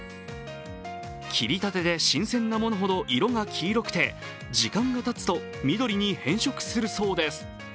切りたてで新鮮なものほど色が黄色くて時間がたつと緑に変色するそうです。